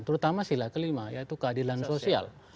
terutama sila kelima yaitu keadilan sosial